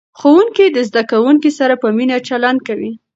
ښوونکي د زده کوونکو سره په مینه چلند کوي.